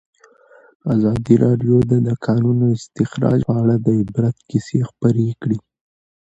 ازادي راډیو د د کانونو استخراج په اړه د عبرت کیسې خبر کړي.